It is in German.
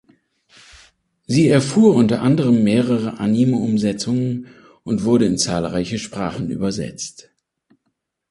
Sie erfuhr unter anderem mehrere Anime-Umsetzungen und wurde in zahlreiche Sprachen übersetzt.